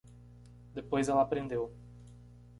Depois ela aprendeu